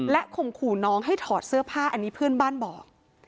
ข่มขู่น้องให้ถอดเสื้อผ้าอันนี้เพื่อนบ้านบอก